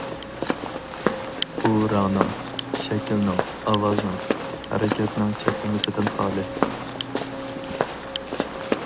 ئۇ رەڭنىڭ، شەكىلنىڭ، ئاۋازنىڭ، ھەرىكەتنىڭ چەكلىمىسىدىن خالىي.